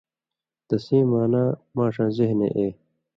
تسیں معنا ماݜاں ذہنے اے